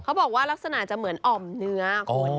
เขาบอกว่ารักษณะจะเหมือนอ่อมเนื้อคน